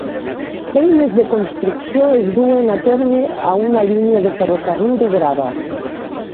Feines de construcció es duen a terme a una línia de ferrocarril de grava.